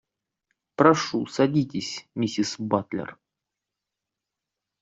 Прошу, садитесь, миссис Батлер.